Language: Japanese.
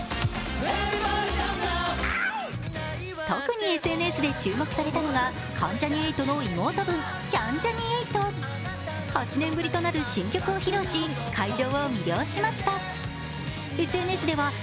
特にＳＮＳで注目されたのが関ジャニ∞の妹分、キャンジャニ∞８年ぶりとなる新曲を披露し会場を魅了しました。